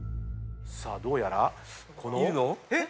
さあどうやらこの。